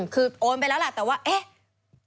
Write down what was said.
คือโอนไปแล้วแหละแต่ว่าเอ๊ะ